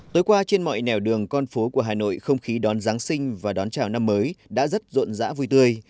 tối qua trên mọi nẻo đường con phố của hà nội không khí đón giáng sinh và đón chào năm mới đã rất rộn rã vui tươi